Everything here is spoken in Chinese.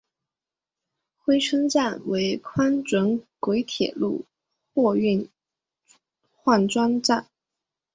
珲春站为宽准轨铁路货运换装站。